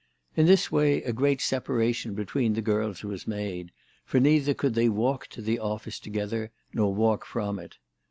In this way a great separation between the girls was made, for neither could they walk to the office together, nor walk from it.